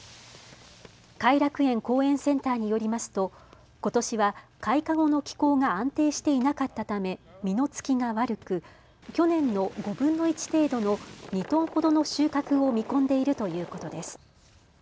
偕楽園公園センターによりますとことしは開花後の気候が安定していなかったため実の付きが悪く去年の５分の１程度の２トンほどの収穫を見込んでいるということです。